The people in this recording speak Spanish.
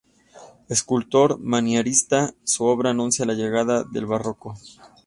Escultor Manierista, su obra anuncia la llegada del Barroco.